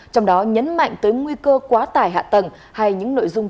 trong đó nhấn mạnh tới nguy cơ quá tải hạ tầng hay những nội dung